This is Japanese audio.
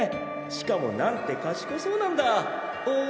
しかもなんて賢そうなんだぁ。